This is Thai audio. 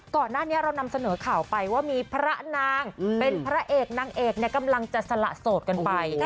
ก่อนหน้านี้เรานำเสนอข่าวไปว่ามีพระนางเป็นพระเอกนางเอกกำลังจะสละโสดกันไป